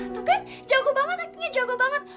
tuh kan jago banget actingnya jago banget